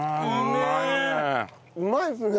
うまいですね。